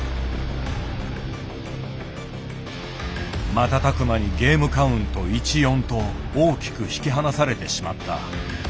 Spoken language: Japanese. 瞬く間にゲームカウント１ー４と大きく引き離されてしまった。